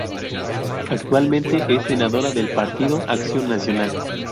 Actualmente es senadora del Partido Acción Nacional.